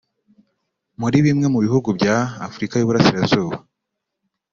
muri bimwe mu bihugu bya Afurika y’Iburasirazuba